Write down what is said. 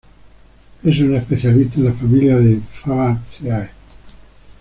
Es una especialista en la familia de Fabaceae.